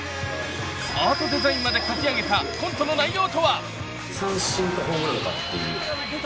［アートデザインまで描き上げたコントの内容とは！？］